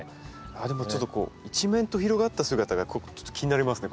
でもちょっと一面と広がった姿が気になりますね